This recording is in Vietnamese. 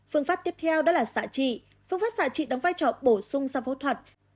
phương pháp tiếp theo đó là xạ trị phương pháp xạ trị đóng vai trò bổ sung sang phẫu thuật